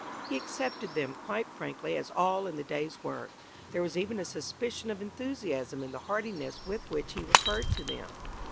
He accepted them quite frankly as all in the day's work; there was even a suspicion of enthusiasm in the heartiness with which he referred to them.